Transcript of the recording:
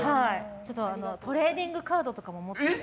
トレーディングカードとかも持ってて。